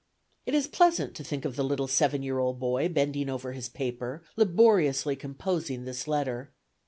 It is pleasant to think of the little seven year old boy bending over his paper, laboriously composing this letter.